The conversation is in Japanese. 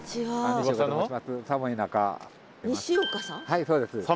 はいそうです。